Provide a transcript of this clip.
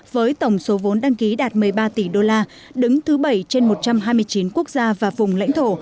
với tổng số vốn đăng ký đạt một mươi ba tỷ đô la đứng thứ bảy trên một trăm hai mươi chín quốc gia và vùng lãnh thổ